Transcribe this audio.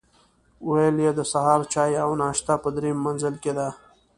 ویل یې د سهار چای او ناشته په درېیم منزل کې ده.